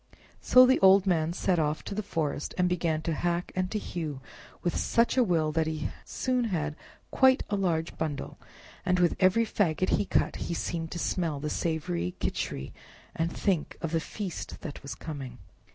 So the old man set off to the forest and began to hack and to hew with such a will that he soon had quite a large bundle, and with every faggot he cut he seemed to smell the savory Khichri and think of the feast that was coming.